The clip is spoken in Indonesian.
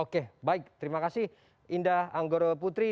oke baik terima kasih indah anggoro putri